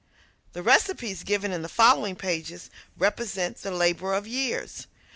The recipes given in the following pages represent the labor of years.